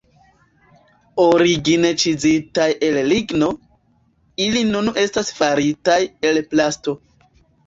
Origine ĉizitaj el ligno, ili nun estas faritaj el plasto.